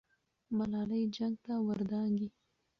ملالۍ جنګ ته ور دانګي.